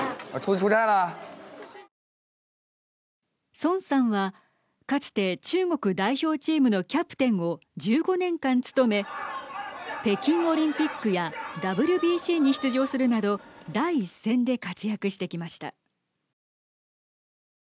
孫さんは、かつて中国代表チームのキャプテンを１５年間務め北京オリンピックやＷＢＣに出場するなど第一線で活躍してきました。